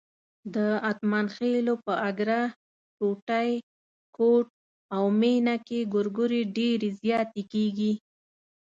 د اتمانخېلو په اګره، ټوټی، کوټ او مېنه کې ګورګورې ډېرې زیاتې کېږي.